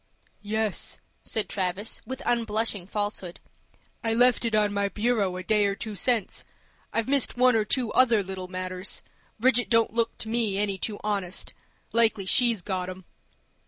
"Yes," said Travis, with unblushing falsehood. "I left it on my bureau a day or two since. I've missed one or two other little matters. Bridget don't look to me any too honest. Likely she's got 'em."